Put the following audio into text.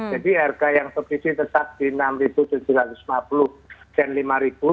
jadi harga yang subsidi tetap di rp enam tujuh ratus lima puluh dan rp lima